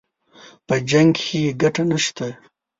په جـنګ كښې ګټه نشته